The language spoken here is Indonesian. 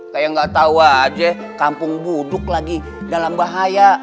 kayak gak tau aja kampung buduk lagi dalam bahaya